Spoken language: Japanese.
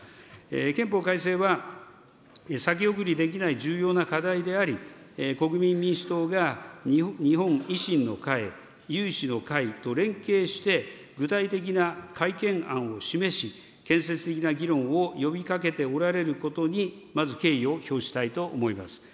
憲法改正は、先送りできない重要な課題であり、国民民主党が日本維新の会、有志の会と連携して、具体的な改憲案を示し、建設的な議論を呼びかけておられることに、まず敬意を表したいと思います。